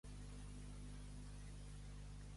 Ara va bé, que la mare pega al pare.